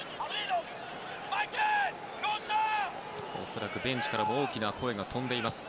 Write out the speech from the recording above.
恐らくベンチから大きな声が飛んでいます。